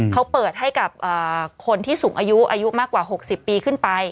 เขาเปิดให้กับคนที่สูงอายุอายุมากกว่า๖๐ปีขึ้นไป